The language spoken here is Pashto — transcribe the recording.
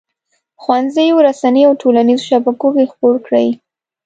ښوونځیو، رسنیو او ټولنیزو شبکو کې خپور کړي.